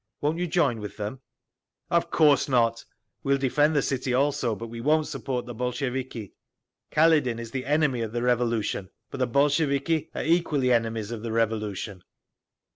Won't you join with them?" "Of course not. We will defend the city also, but we won't support the Bolsheviki. Kaledin is the enemy of the Revolution, but the Bolsheviki are equally enemies of the Revolution."